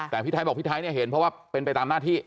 แต่พี่ไทยบอกพี่ไทยเนี่ยเห็นเพราะว่าเป็นไปตามหน้าที่